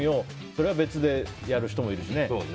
それは別で、やる人もいるしね。